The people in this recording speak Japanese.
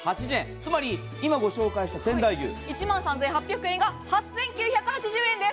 つまり今ご紹介した仙台牛、１万３８００円が８９８０円です。